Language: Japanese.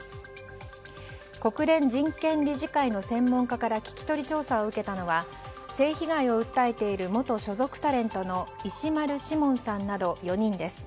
国連人権理事会の専門家から聞き取り調査を受けたのは性被害を訴えている元所属タレントの石丸志門さんなど、４人です。